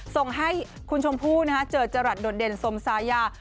ส่งให้คุณชมพู่เจอจรัสโดดเด่นสมชายา